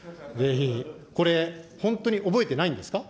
これ、本当に覚えてないんですか。